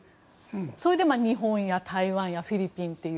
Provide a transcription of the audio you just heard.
それで日本や台湾やフィリピンという。